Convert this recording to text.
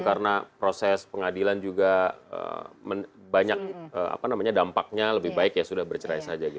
karena proses pengadilan juga banyak dampaknya lebih baik ya sudah bercerai saja